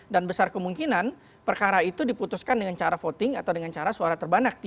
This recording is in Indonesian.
dan besar kemungkinan perkara itu diputuskan dengan cara voting atau dengan cara suara terbanak